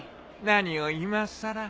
何をいまさら。